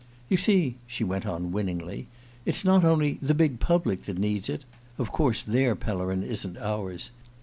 ... "You see," she went on winningly, "it's not only the big public that needs it (of course their Pellerin isn't ours!)